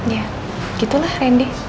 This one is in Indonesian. ya gitulah randy